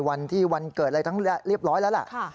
วันที่วันเกิดอะไรทั้งเรียบร้อยแล้วล่ะ